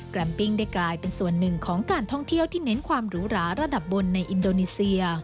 แมมปิ้งได้กลายเป็นส่วนหนึ่งของการท่องเที่ยวที่เน้นความหรูหราระดับบนในอินโดนีเซีย